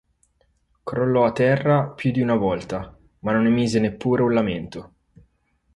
Crollò a terra più di una volta ma non emise neppure un lamento.